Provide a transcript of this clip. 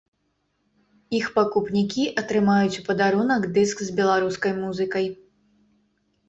Іх пакупнікі атрымаюць у падарунак дыск з беларускай музыкай.